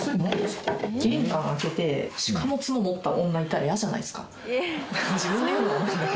玄関開けて鹿のツノ持った女いたら嫌じゃないですか？